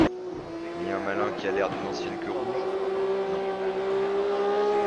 Ni un malin qui a l'air d'une ancienne queue-rouge ? Non.